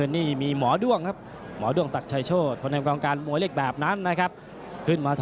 จบยกไหนต้องติดตามวิทยามา